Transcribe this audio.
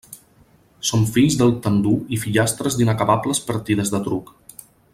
Som fills del tendur i fillastres d'inacabables partides de truc.